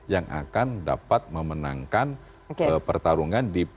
yang akan dapat memenangkan pertarungan di p tiga